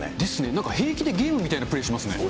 何か平気でゲームみたいなプレーしますね。